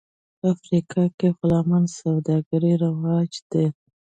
افریقا کې غلامانو سوداګري رواج درلود.